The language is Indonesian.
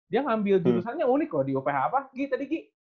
dia ngambil jurusannya unik loh di oph apa gi tadi gi